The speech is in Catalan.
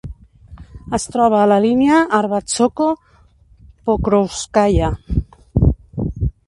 Es troba a la línia Arbatsko-Pokrovskaya.